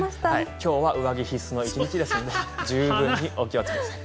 今日は上着必須の１日ですので十分にお気をつけください。